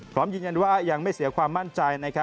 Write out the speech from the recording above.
พร้อมยืนยันว่ายังไม่เสียความมั่นใจ